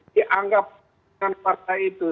dianggap partai itu